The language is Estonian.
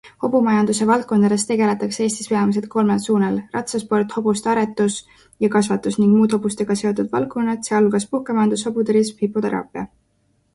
Hobumajanduse valdkondadest tegeletakse Eestis peamiselt kolmel suunal - ratsasport, hobuste aretus ja kasvatus ning muud hobustega seotud valdkonnad, sh. puhkemajandus, hobuturism, hipoteraapia.